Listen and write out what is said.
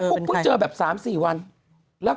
คุณหนุ่มกัญชัยได้เล่าใหญ่ใจความไปสักส่วนใหญ่แล้ว